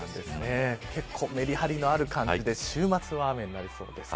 結構メリハリのある感じで週末は雨になりそうです。